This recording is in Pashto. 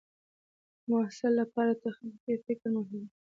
د محصل لپاره تخلیقي فکر مهم دی.